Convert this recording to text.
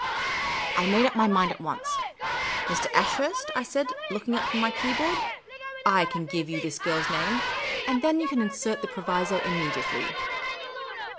I made up my mind at once. " Mr. Ashurst," I said, looking up from my keyboard, " /can give you this girl's name ; and then you can insert the proviso immediately."